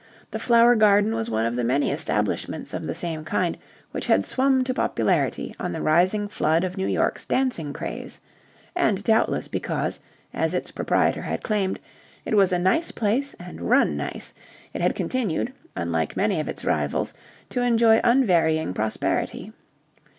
The Flower Garden was one of the many establishments of the same kind which had swum to popularity on the rising flood of New York's dancing craze; and doubtless because, as its proprietor had claimed, it was a nice place and run nice, it had continued, unlike many of its rivals, to enjoy unvarying prosperity.